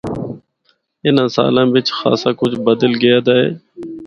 اِناں سالاں بچ خاصا کجھ بدل گیا دا اے۔